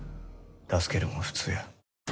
助けるんは普通や。